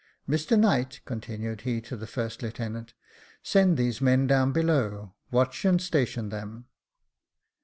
Mr Knight," continued he, to the first lieutenant, " send these men down below, watch, and station them."